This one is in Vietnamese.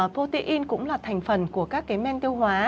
protein cũng là thành phần của các cái men tiêu hóa